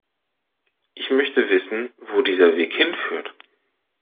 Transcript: Ich möchte wissen, wo dieser Weg hinführt.